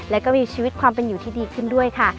และก็มีชีวิตความเป็นอยู่ที่ดีขึ้นด้วยค่ะ